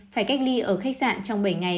phải cách ly ở khách sạn trong bảy ngày